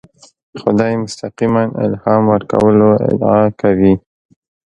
خدای مستقیماً الهام ورکولو ادعا کوي.